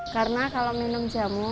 karena kalau minum jamu